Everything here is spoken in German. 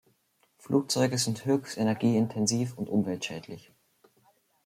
Flugzeuge sind höchst energieintensiv und umweltschädlich.